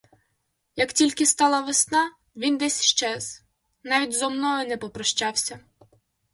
Як тільки стала весна, він десь щез, навіть зо мною не попрощався.